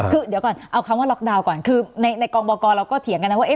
คือเดี๋ยวก่อนเอาคำว่าล็อกดาวน์ก่อนคือในกองบกรเราก็เถียงกันนะว่า